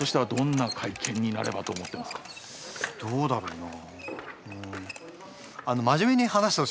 どうだろうな。